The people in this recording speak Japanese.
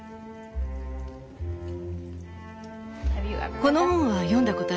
この本は読んだことある？